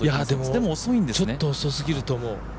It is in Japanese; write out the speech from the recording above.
でも、ちょっと遅すぎると思う。